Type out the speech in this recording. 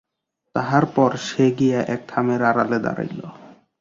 তাহার পর সে গিয়া এক থামের আড়ালে দাঁড়াইল।